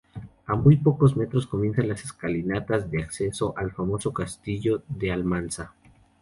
A muy pocos metros comienzan las escalinatas de acceso al famoso castillo de Almansa.